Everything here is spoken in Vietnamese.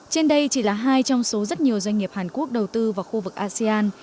trên đây chỉ là hai trong số rất nhiều doanh nghiệp hàn quốc đầu tư vào khu vực asean